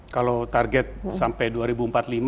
kalau target sampai dua ribu empat puluh lima